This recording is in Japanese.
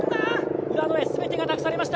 浦野へ全てが託されました。